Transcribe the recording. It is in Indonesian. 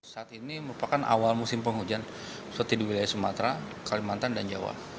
saat ini merupakan awal musim penghujan seperti di wilayah sumatera kalimantan dan jawa